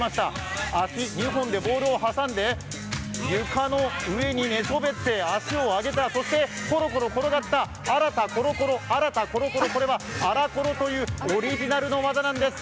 足２本でボールを挟んで床の上に寝そべって足を上げたそしてコロコロ転がった、あらたコロコロ、あらたコロコロ、これは、あらコロというオリジナルの技なんです。